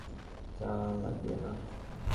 চা লাগবে না।